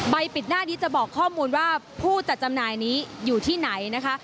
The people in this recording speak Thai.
ปิดหน้านี้จะบอกข้อมูลว่าผู้จัดจำหน่ายนี้อยู่ที่ไหนนะคะ